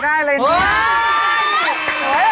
ด้านเลยแซ้ง